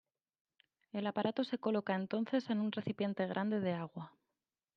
El aparato se coloca entonces en un recipiente grande de agua.